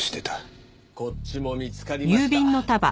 こっちも見つかりました。